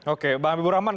oke bang habibur rahman